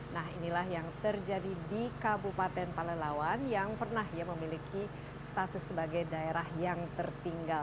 nah inilah yang terjadi di kabupaten palelawan yang pernah ya memiliki status sebagai daerah yang tertinggal